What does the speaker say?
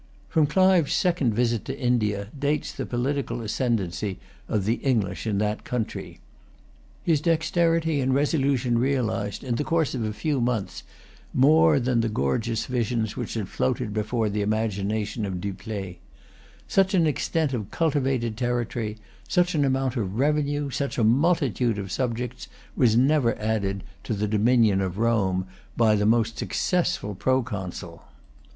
From Clive's second visit to India dates the political ascendency of the English in that country. His dexterity and resolution realised, in the course of a few months, more than an the gorgeous visions which had floated before the imagination of Dupleix. Such an extent of cultivated territory, such an amount of revenue, such a multitude of subjects, was never added to the dominion of Rome by the most successful proconsul.